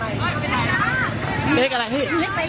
อีกใบหนึ่ง